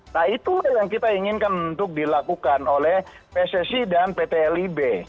nah itulah yang kita inginkan untuk dilakukan oleh pssi dan pt lib